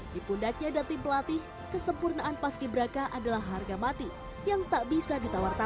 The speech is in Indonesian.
di pundaknya dati pelatih kesempurnaan pas kiberaka adalah harga mati yang tak bisa ditawar tawar